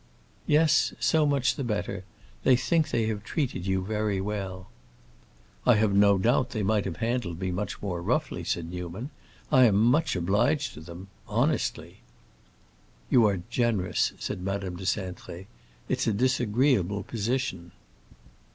"Yes, so much the better. They think they have treated you very well." "I have no doubt they might have handled me much more roughly," said Newman. "I am much obliged to them. Honestly." "You are generous," said Madame de Cintré. "It's a disagreeable position."